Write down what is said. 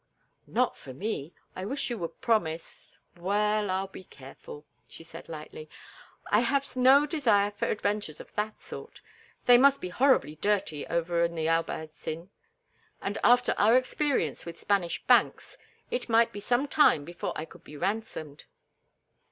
"Not for me. I wish you would promise—" "Well, I'll be careful," she said, lightly. "I have no desire for adventures of that sort. They must be horribly dirty over in the Albaicin, and after our experience with Spanish banks it might be some time before I could be ransomed."